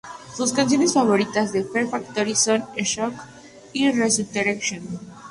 Sus canciones favoritas de Fear Factory son "Shock" y "Resurrection".